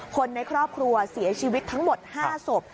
คนในครอบครัวเสียชีวิตทั้งหมด๕ศพ